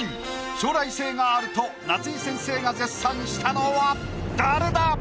将来性があると夏井先生が絶賛したのは誰だ⁉